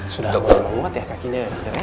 sudah mau memuat ya kakinya